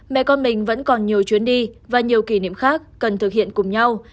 mẹ con mình vẫn còn nhiều chuyến đi và nhiều kỷ niệm khác cần thực hiện cùng nhau